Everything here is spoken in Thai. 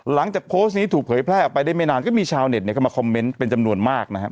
หลังจากโพสต์นี้ถูกเผยแพร่ออกไปได้ไม่นานก็มีชาวเน็ตเข้ามาคอมเมนต์เป็นจำนวนมากนะครับ